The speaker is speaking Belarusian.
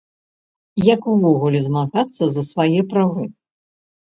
Як увогуле змагацца за свае правы?